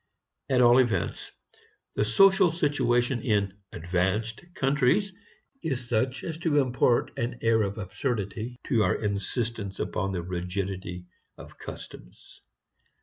At all events, the social situation in "advanced" countries is such as to impart an air of absurdity to our insistence upon the rigidity of customs.